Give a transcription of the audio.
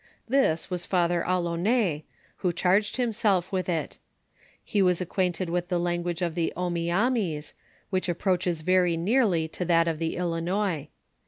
Tliis was Father Alloue^ who charged himself with it He was acquainted with the language of the Ouroiamis, which approaches very nearly to that of the Ilinois.